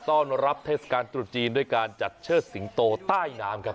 ต้อนรับเทศกาลตรุษจีนด้วยการจัดเชิดสิงโตใต้น้ำครับ